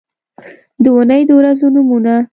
د اونۍ د ورځو نومونه